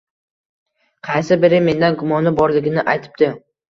Qaysi biri mendan gumoni borligini aytibdi.